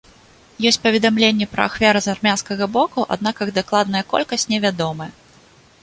Ёсць паведамленні пра ахвяры з армянскага боку, аднак іх дакладная колькасць невядома.